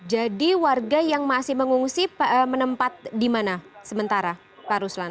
jadi warga yang masih mengungsi menempat di mana sementara pak ruslan